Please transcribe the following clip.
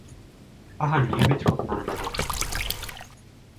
母に言うべきことなのだろうか。